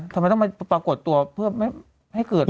ทำไมต้องมาปรากฏตัวเพื่อไม่ให้เกิด